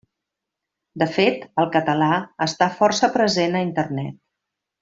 De fet el català està força present a Internet.